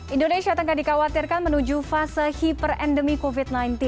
indonesia tengah dikhawatirkan menuju fase hiperendemi covid sembilan belas